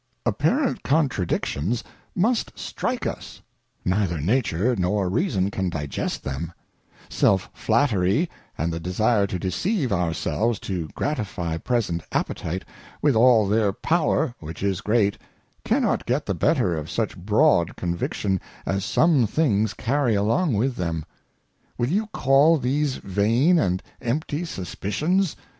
Apparent Contradictions must strike us; neither Nature nor Reason can digest them : Self Flattery, and the desire to Deceive our selves to gratifie present Appetite, with all their Power, which is Great, cannot get the better of such broad Con viction as some things carry along with them. Will you call these vain and empty Suspitions